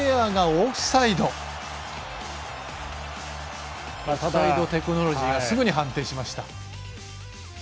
オフサイドテクノロジーがすぐに判定しました。